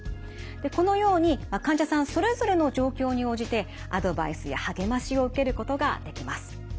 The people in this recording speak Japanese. でこのように患者さんそれぞれの状況に応じてアドバイスや励ましを受けることができます。